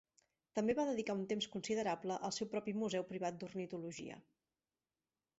També va dedicar un temps considerable al seu propi museu privat d'ornitologia.